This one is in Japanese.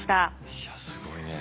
いやすごいね。